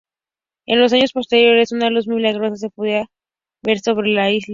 En los años posteriores una luz milagrosa se podía ver sobre la isla.